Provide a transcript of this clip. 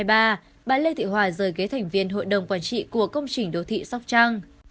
bà lê thị hòa rời ghế thành viên hội đồng quản trị của công trình đô thị sóc trăng